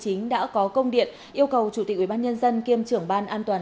chính phủ phạm minh chính đã có công điện yêu cầu chủ tịch ubnd kiêm trưởng ban an toàn